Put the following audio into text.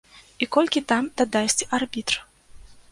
І колькі там дадасць арбітр.